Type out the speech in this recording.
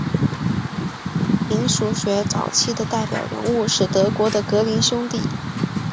民俗学早期的代表人物是德国的格林兄弟。